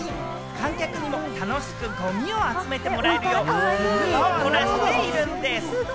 観客にも楽しくゴミを集めてもらえるようにしているんです。